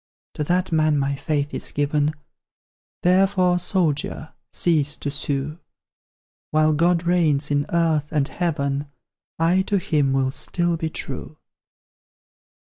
To that man my faith is given, Therefore, soldier, cease to sue; While God reigns in earth and heaven, I to him will still be true!